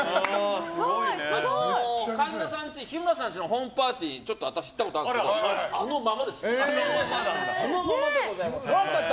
日村さん家のホームパーティーに私、行ったことがあるんですけどあのままですよ。